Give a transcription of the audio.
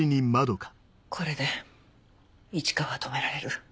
これで市川は止められる。